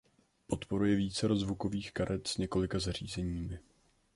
Podporuje vícero zvukových karet s několika zařízeními.